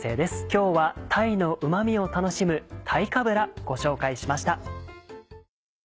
今日は鯛のうま味を楽しむ「鯛かぶら」ご紹介しました。